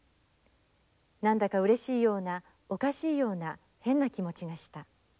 何だかうれしいようなおかしいような変な気持ちがした」。